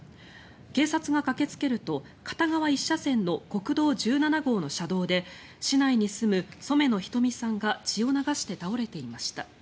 警察が駆けつけると片側１車線の国道１７号車道で市内に住む染野瞳さんが血を流して倒れていました。